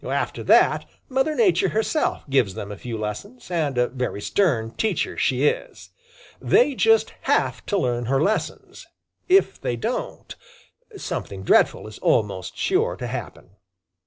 After that Old Mother Nature herself gives them a few lessons, and a very stern teacher she is. They just HAVE to learn her lessons. If they don't, something dreadful is almost sure to happen.